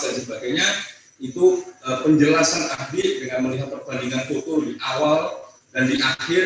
dan sebagainya itu penjelasan abik dengan melihat perbandingan foto di awal dan di akhir